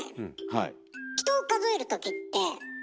はい。